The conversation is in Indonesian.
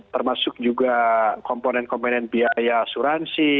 termasuk juga komponen komponen biaya asuransi